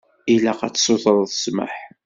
Ilaq ad tsutreḍ ssmaḥ.